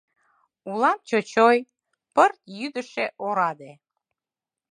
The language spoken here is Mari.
Улам чочой, пырт йӱдышӧ, ораде.